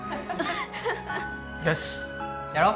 よしやろう！